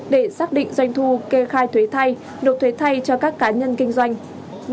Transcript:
để xác định doanh thu kê khai thuế thay nộp thuế thay cho các cá nhân kinh doanh